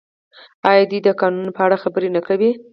آیا دوی د کانونو په اړه خبرې نه کوي؟